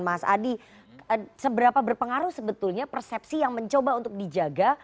mas adi seberapa berpengaruh sebetulnya persepsi yang mencoba untuk dijaga